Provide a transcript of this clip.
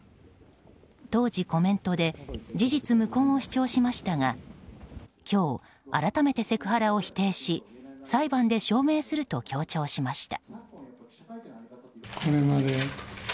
当時、コメントで事実無根を主張しましたが今日、改めてセクハラを否定し裁判で証明すると強調しました。